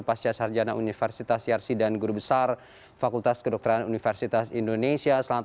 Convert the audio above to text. pasca sarjana universitas yarsi dan guru besar fakultas kedokteran universitas indonesia